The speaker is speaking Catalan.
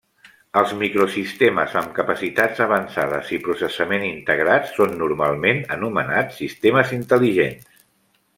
Els microsistemes amb capacitats avançades i processament integrat són normalment anomenats sistemes intel·ligents.